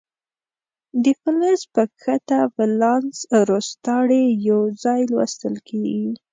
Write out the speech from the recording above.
د فلز په ښکته ولانس روستاړي یو ځای لوستل کیږي.